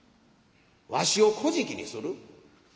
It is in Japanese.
わしをこじきにする？